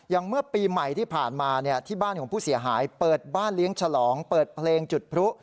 เมื่อปีใหม่ที่ผ่านมาที่บ้านของผู้เสียหายเปิดบ้านเลี้ยงฉลองเปิดเพลงจุดพลุ